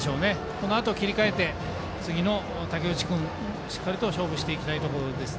このあと切り替えて次の武内君としっかり勝負したいところです。